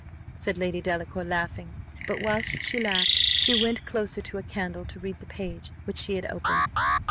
said Lady Delacour, laughing; but whilst she laughed she went closer to a candle, to read the page which she had opened.